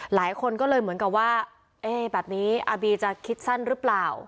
หลายคนก็เลยเหมือนกับว่าเอ๊ะแบบนี้อาบีจะคิดสั้นหรือเปล่า